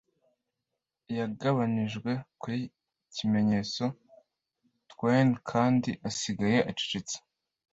yagabanijwe-kuri-ikimenyetso-twain kandi asigaye acecetse